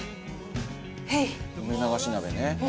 「梅流し鍋ね」